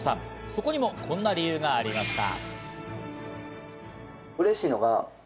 そこにも、こんな理由がありました。